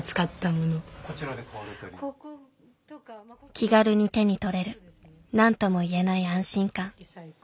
気軽に手に取れる何とも言えない安心感。